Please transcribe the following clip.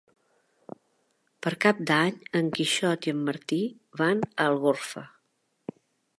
Per Cap d'Any en Quixot i en Martí van a Algorfa.